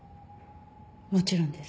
もちろんです。